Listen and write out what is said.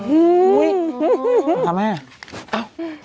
ทำไมอ่ะ